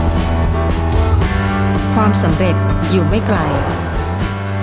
จงสู้ด้วยความสำเร็จอย่างกำหนดได้ด้วยโชคชะตา